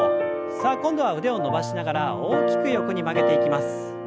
さあ今度は腕を伸ばしながら大きく横に曲げていきます。